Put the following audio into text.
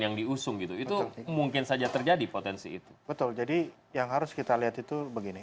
yang diusung gitu itu mungkin saja terjadi potensi itu betul jadi yang harus kita lihat itu begini